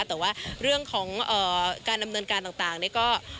แต่ว่าเรื่องของการดำเนินการต่างนี่ก็